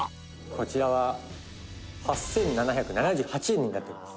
「こちらは８７７８円になっております」